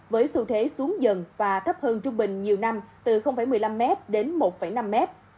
với xu thế xuống dần và thấp hơn trung bình nhiều năm từ một mươi năm m đến một năm m